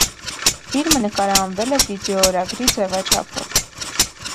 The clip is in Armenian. Ֆիլմը նկարահանվել է վիդեոօրագրի ձևաչափով։